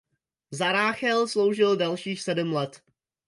Za Ráchel sloužil dalších sedm let.